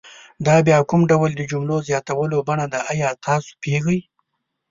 دا بیا کوم ډول د جملو زیاتولو بڼه ده آیا تاسې په پوهیږئ؟